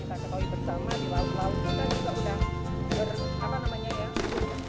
berita terkini mengenai pengelolaan sampah rumah tangga